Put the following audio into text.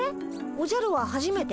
おじゃるははじめて？